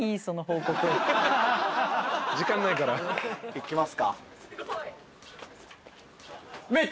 ・いきますか。